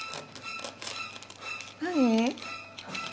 何？